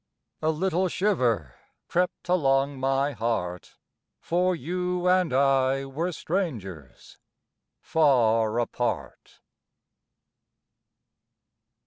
A little shiver crept along my heart— For you and I were strangers, far apart.